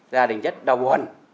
gia đình rất đau buồn